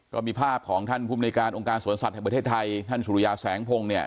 ก็มีภาพของท่านภูมิในการองค์การสวนสัตว์แห่งประเทศไทยท่านสุริยาแสงพงศ์เนี่ย